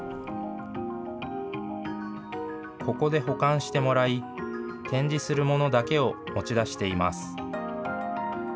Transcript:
ここで保管してもらい、展示するものだけを持ち出しています。